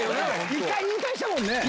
１回引退したもんね